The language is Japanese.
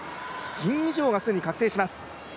銀以上が既に確定します。